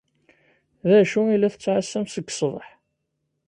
D acu i la tettɛassamt seg ṣṣbeḥ?